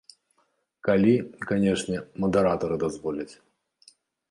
Калі, канечне, мадэратары дазволяць.